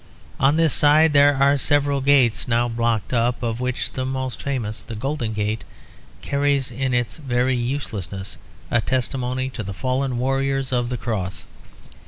On this side there are several gates now blocked up, of which the most famous, the Golden Gate, carries in its very uselessness a testimony to the fallen warriors of the cross.